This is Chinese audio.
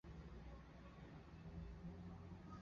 摩拉于早年在干多足球会担任门将。